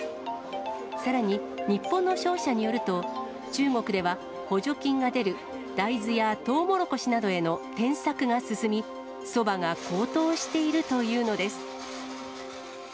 さらに日本の商社によると、中国では補助金が出る大豆やトウモロコシなどへの転作が進み、そばが高騰しているというのです。